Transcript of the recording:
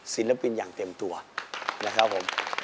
ศิลปินอย่างเต็มตัวนะครับผม